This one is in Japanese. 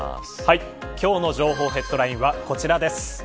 今日の情報ヘッドラインはこちらです。